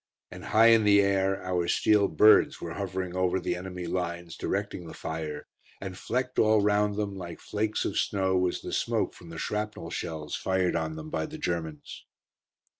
And high in the air, our steel "birds" were hovering over the enemy lines, directing the fire, and flecked all round them, like flakes of snow, was the smoke from the shrapnel shells fired on them by the Germans.